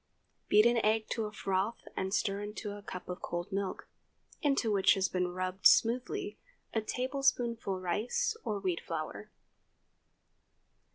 Beat an egg to a froth and stir into a cup of cold milk, into which has been rubbed smoothly a tablespoonful rice or wheat flour.